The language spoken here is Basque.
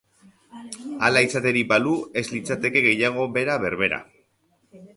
Hala izaterik balu, ez litzateke gehiago bera berbera.